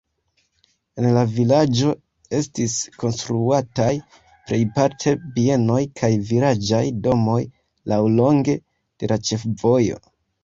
En la vilaĝo estis konstruataj plejparte bienoj kaj vilaĝaj domoj laŭlonge de la ĉefvojo.